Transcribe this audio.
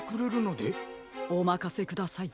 おまかせください。